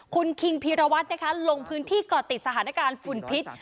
คุณคิงพีรวัตรนะคะลงพื้นที่ก่อติดสถานการณ์ฝุ่นพิษ